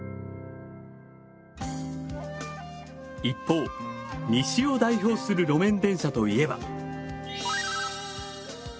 一方西を代表する路面電車といえば。